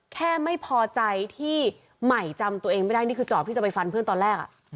แค่ไม่พอใจที่ใหม่จำตัวเองไม่ได้นี่คือจอบที่จะไปฟันเพื่อนตอนแรก